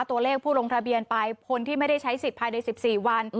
ตัวเลขผู้ลงทะเบียนไปคนที่ไม่ได้ใช้สิทธิภายใน๑๔วัน